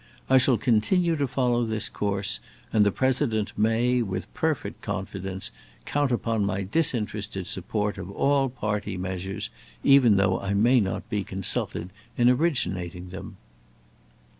I shall continue to follow this course, and the President may with perfect confidence count upon my disinterested support of all party measures, even though I may not be consulted in originating them."